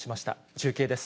中継です。